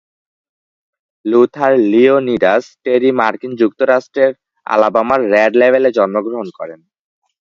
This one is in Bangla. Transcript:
লুথার লিওনিডাস টেরি মার্কিন যুক্তরাষ্ট্রের আলাবামার রেড লেভেলে জন্মগ্রহণ করেন।